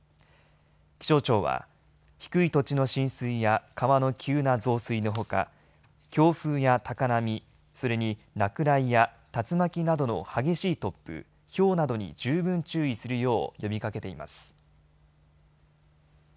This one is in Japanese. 気象庁は低い土地の浸水や川の急な増水のほか強風や高波、それに落雷や竜巻などの激しい突風、ひょうなどに十分注意するよう呼びかけています。